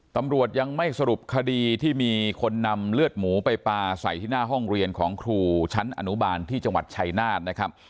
ตำรวจยังไม่สรุปคดีที่มีคนนำเลือดหมูไปปลาใส่ที่หน้าห้องเรียนของครูชั้นอนุบาลที่จังหวัดชัยนาธนะครับ